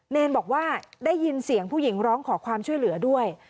เนรบอกว่าได้ยินเสียงผู้หญิงร้องขอความช่วยเหลือด้วย